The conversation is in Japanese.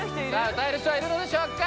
歌える人はいるのでしょうか？